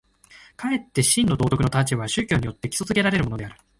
かえって真の道徳の立場は宗教によって基礎附けられるのである。